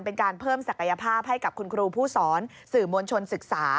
เป็นการเพิ่มศักยภาพให้กับคุณครูผู้สอนสื่อมวลชนศึกษา